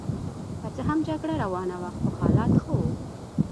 که څه هم جګړه روانه وه خو حالات ښه وو.